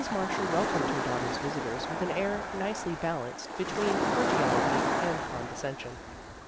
Marshall welcomed her daughter's vis itors with an air nicely balanced between cor diality and condescension.